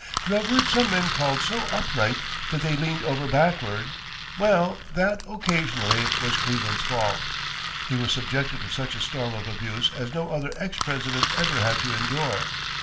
You have heard some men called so upright that they leaned over backward well, that, occasionally, was Cleveland's fault. He was subjected to such a storm of abuse as no other ex President ever had to endure.